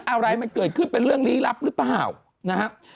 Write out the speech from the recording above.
อะไรมันเกิดขึ้นเป็นเรื่องลี้ลับหรือเปล่านะครับ